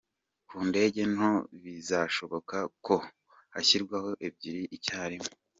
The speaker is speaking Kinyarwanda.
Ku ndege nto bizashoboka ko hashyirwamo ebyiri icyarimwe.